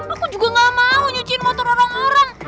aku juga gak mau nyuciin motor orang orang